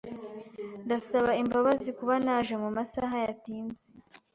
Ndasaba imbabazi kuba naje mu masaha yatinze.